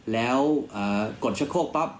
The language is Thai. แล้วกดชะโคกปั๊บ